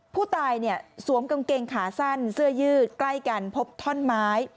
ผู้ตายเนี่ยสวมกางเกงขาสั้นเสื้อยืดใกล้กันพบท่อนไม้